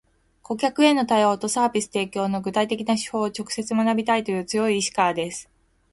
顧客への対応とサービス提供の具体的な手法を直接学びたいという強い意志からです